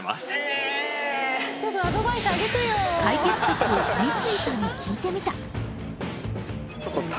ええ解決策を三井さんに聞いてみた